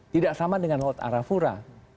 tidak sama dengan laut arafura